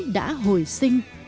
đã hồi sinh